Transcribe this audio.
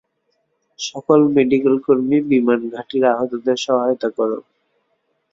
সকল মেডিকেল কর্মী, বিমানঘাঁটির আহতদের সহায়তা কর।